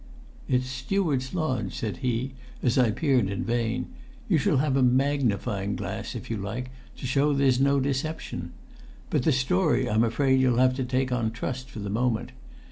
"It's 'Steward's Lodge,'" said he as I peered in vain; "you shall have a magnifying glass, if you like, to show there's no deception. But the story I'm afraid you'll have to take on trust for the moment.